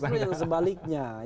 justru yang sebaliknya ya